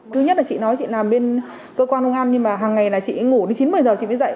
thứ nhất là chị nói chị làm bên cơ quan công an nhưng mà hàng ngày là chị ngủ đến chín một mươi giờ chị mới dậy